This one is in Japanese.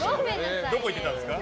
どこ行ってたんですか？